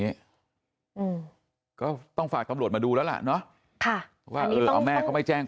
อืมก็ต้องฝากตำรวจมาดูแล้วล่ะเนอะค่ะว่าเออเอาแม่เขาไม่แจ้ง